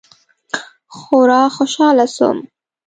خورا خوشاله سوم.